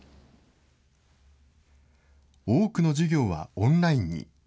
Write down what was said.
多くの授業はオンラインに。